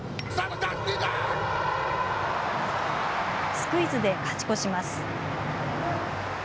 スクイズで勝ち越します。